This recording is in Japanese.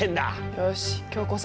よし今日こそ！